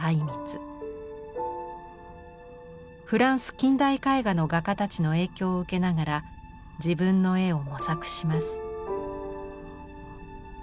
フランス近代絵画の画家たちの影響を受けながら自分の絵を模索します。